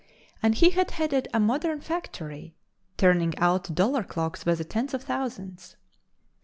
And he had headed a modern factory, turning out dollar clocks by the tens of thousands.